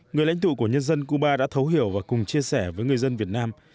người lãnh tụ của nhân dân cuba đã thấu hiểu và cùng chia sẻ với người dân việt nam